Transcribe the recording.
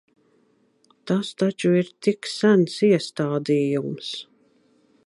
Tas taču ir tik sens iestādījums!